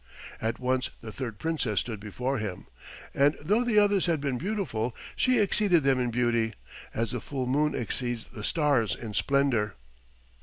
At once the third Princess stood before him, and though the others had been beautiful she exceeded them in beauty as the full moon exceeds the stars in splendor.